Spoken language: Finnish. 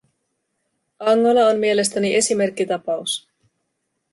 Angola on mielestäni esimerkkitapaus.